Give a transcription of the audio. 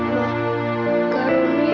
dia keberadaan nyawa